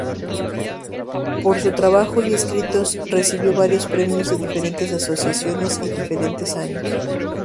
Por su trabajo y escritos recibió varios premios de diferentes asociaciones y diferentes años.